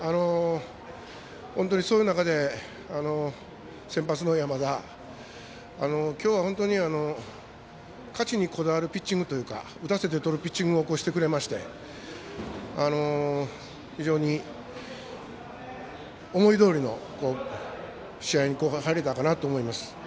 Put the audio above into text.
そういう中で先発の山田、きょうは本当に勝ちにこだわるピッチングというか打たせてとるピッチングをしてくれまして非常に思いどおりの試合ができたかなと思います。